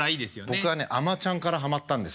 僕は「あまちゃん」からハマったんですよ。